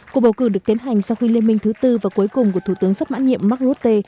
cuộc bầu cử được tiến hành sau khi liên minh thứ tư và cuối cùng của thủ tướng sắp mãn nhiệm mark rutte